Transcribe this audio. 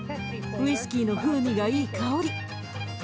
ウイスキーの風味がいい香り。